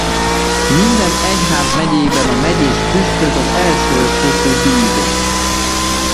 Minden egyházmegyében a megyés püspök az elsőfokú bíró.